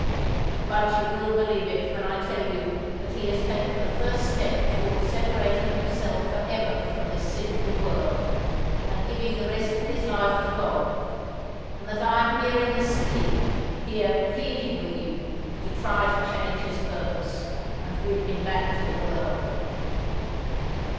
"But you will believe it when I tell you that he has taken the first step towards separating himself for ever from this sinful world, and giving the rest of his life to God; and that I am here in this city, here pleading with you, to try to change his purpose and win him back to the world."